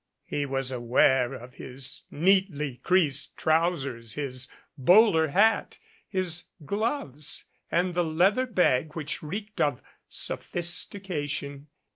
He was aware of his neatly creased trousers, his bowler hat, his gloves, and the leather bag which reeked of sophistication.